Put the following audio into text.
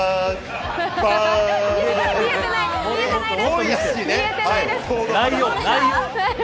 見えてないです。